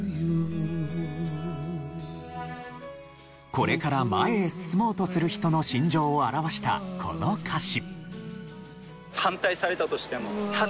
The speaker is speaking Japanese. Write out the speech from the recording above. これから前へ進もうとする人の心情を表したこの歌詞。